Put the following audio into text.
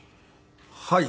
はい。